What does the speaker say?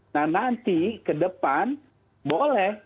nah nanti ke depan boleh